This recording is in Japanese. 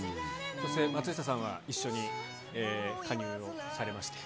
そして、松下さんは一緒に加入をされました。